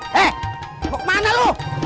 mau kemana lo